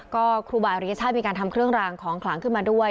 ก็ครูบาอริยชาติมีการทำเครื่องรางของขลังขึ้นมาด้วย